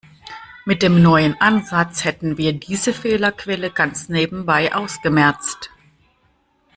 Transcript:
Mit dem neuen Ansatz hätten wir diese Fehlerquelle ganz nebenbei ausgemerzt.